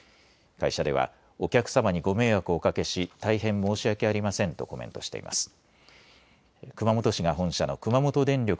会社ではお客様にご迷惑をおかけし大変申し訳ありませんとコメントしています。